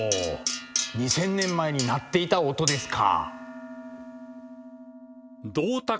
２，０００年前に鳴っていた音ですか。